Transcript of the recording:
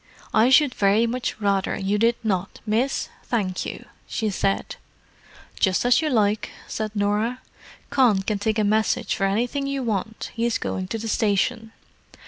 "I should very much rather you did not, miss, thank you," she said. "Just as you like," said Norah. "Con can take a message for anything you want; he is going to the station."